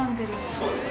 そうです。